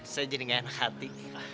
saya jadi gak enak hati